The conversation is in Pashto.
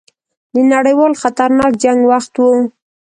د نړیوال خطرناک جنګ وخت وو.